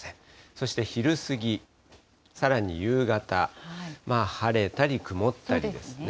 そして昼過ぎ、さらに夕方、晴れたり曇ったりですね。